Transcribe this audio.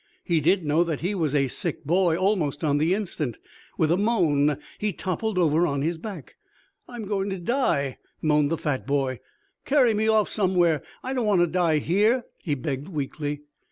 He did know that he was a sick boy almost on the instant. With a moan he toppled over on his back. "I'm going to die," moaned the fat boy. "Carry me off somewhere. I don't want to die here," he begged weakly.